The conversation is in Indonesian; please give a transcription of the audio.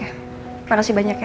terima kasih banyak ya